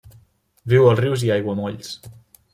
Viu als rius i aiguamolls.